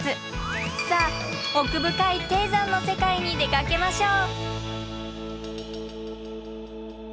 さあ奥深い低山の世界に出かけましょう。